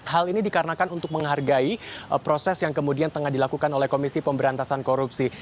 hal ini dikarenakan untuk menghargai proses yang kemudian tengah dilakukan oleh komisi pemberantasan korupsi